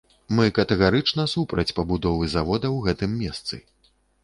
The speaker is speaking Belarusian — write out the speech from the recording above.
Мы катэгарычна супраць пабудовы завода ў гэтым месцы.